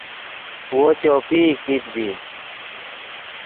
وو چوپئی کیت ڤی